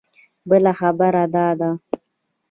بله خبره دا ده.